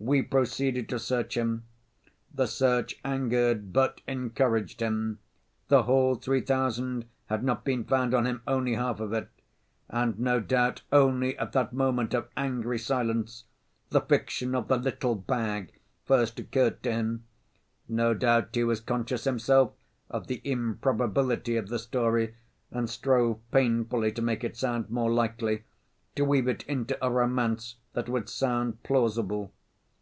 "We proceeded to search him. The search angered, but encouraged him, the whole three thousand had not been found on him, only half of it. And no doubt only at that moment of angry silence, the fiction of the little bag first occurred to him. No doubt he was conscious himself of the improbability of the story and strove painfully to make it sound more likely, to weave it into a romance that would sound plausible.